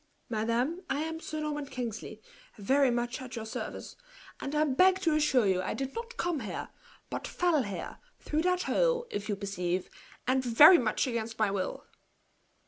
"Madame, I am Sir Norman Kingsley, very much at your service; and I beg to assure you I did not come here, but fell here, through that hole, if you perceive, and very much against my will."